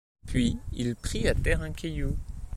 Puis il prit à terre un caillou.